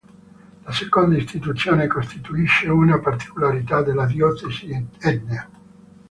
La seconda istituzione costituisce una particolarità della diocesi etnea.